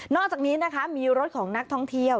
อกจากนี้นะคะมีรถของนักท่องเที่ยว